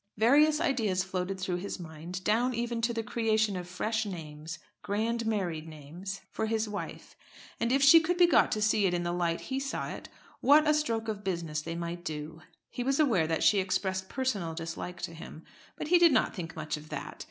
Various ideas floated through his mind, down even to the creation of fresh names, grand married names, for his wife. And if she could be got to see it in the light he saw it, what a stroke of business they might do! He was aware that she expressed personal dislike to him; but he did not think much of that.